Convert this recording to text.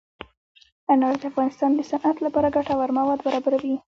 انار د افغانستان د صنعت لپاره ګټور مواد برابروي.